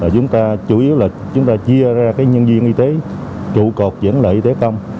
chúng ta chủ yếu là chia ra nhân viên y tế trụ cột dẫn lại y tế công